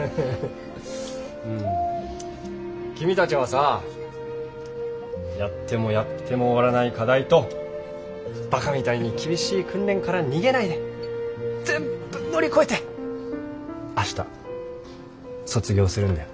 君たちはさやってもやっても終わらない課題とバカみたいに厳しい訓練から逃げないで全部乗り越えて明日卒業するんだよ。